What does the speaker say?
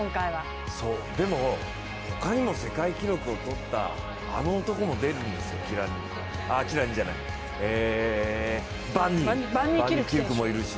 でも、ほかにも世界記録をとったあの男も出るんですよ、バン・ニーキルク選手。